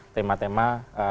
tema tema yang diperlukan